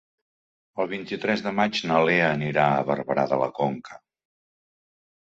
El vint-i-tres de maig na Lea anirà a Barberà de la Conca.